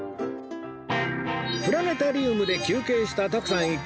プラネタリウムで休憩した徳さん一行